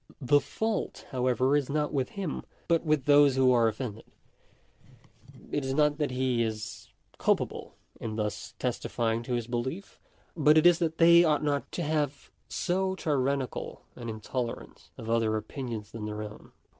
The fault, however, is not with him, but with those who are offended. It is not that he is culpable in thus testi fying to his belief, but it is that they ought not to have so tyrannical an intolerance of other opinions than their own.